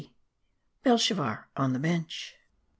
BELSHAZZAR ON THE BENCH.